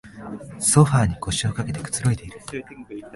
ソファーに腰かけてくつろいでいる